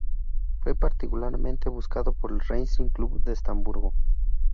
Fue particularmente buscado por el Racing Club de Estrasburgo.